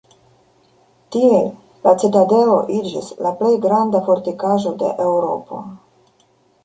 Tiel la citadelo iĝis la plej granda fortikaĵo de Eŭropo.